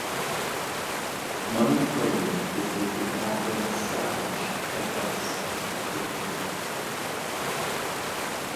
Money claimed that he had been offering Savidge advice on her career.